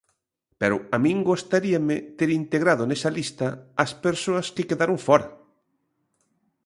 Pero a min gustaríame ter integrado nesa lista as persoas que quedaron fóra.